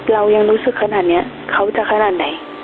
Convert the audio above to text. เรายังรู้สึกขนาดนี้เขาจะขนาดไหน